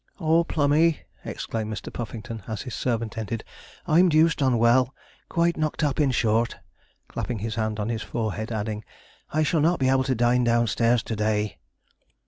'Oh, Plummey!' exclaimed Mr. Puffington, as his servant entered, 'I'm deuced unwell quite knocked up, in short,' clapping his hand on his forehead, adding, 'I shall not be able to dine downstairs to day.'